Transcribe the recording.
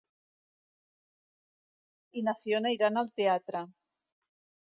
El deu d'agost en Marcel i na Fiona iran al teatre.